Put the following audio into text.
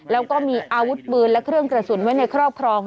แล้วก็มีอาวุธปืนและเครื่องกระสุนไว้ในครอบครอง